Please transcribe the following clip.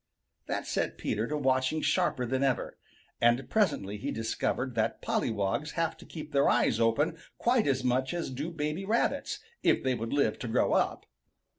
That set Peter to watching sharper than ever, and presently he discovered that pollywogs have to keep their eyes open quite as much as do baby Rabbits, if they would live to grow up.